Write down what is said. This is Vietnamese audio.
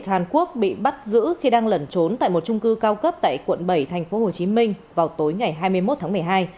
hàn quốc bị bắt giữ khi đang lẩn trốn tại một trung cư cao cấp tại quận bảy tp hcm vào tối ngày hai mươi một tháng một mươi hai